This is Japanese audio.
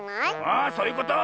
あそういうこと！